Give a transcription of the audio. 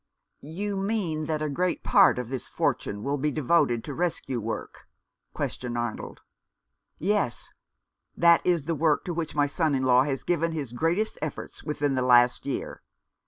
"You mean that a great part of this fortune will be devoted to rescue work?" questioned Arnold. "Yes, that is the work to which my son in law has given his greatest efforts within the last year.